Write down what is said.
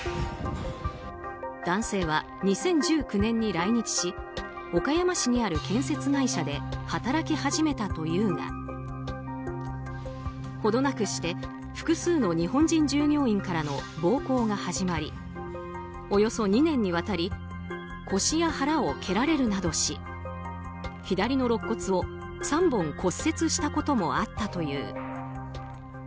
男性は２０１９年に来日し岡山市にある建設会社で働き始めたというが程なくして、複数の日本人従業員からの暴行が始まりおよそ２年にわたり腰や腹を蹴られるなどし左の肋骨を３本骨折したこともあったという。